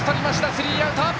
スリーアウト。